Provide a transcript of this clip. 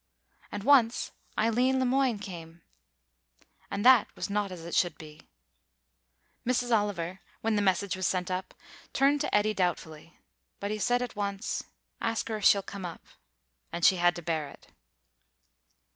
And once Eileen Le Moine came, and that was not as it should be. Mrs. Oliver, when the message was sent up, turned to Eddy doubtfully; but he said at once, "Ask her if she'll come up," and she had to bear it.